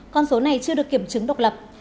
con số này chưa được kiểm chứng độc lập